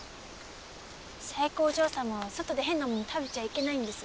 左枝子お嬢様は外で変なもの食べちゃいけないんです。